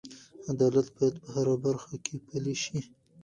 عدالت باید په هره برخه کې پلی شي.